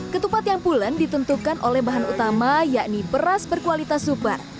ketupat yang pulen ditentukan oleh bahan utama yakni beras berkualitas super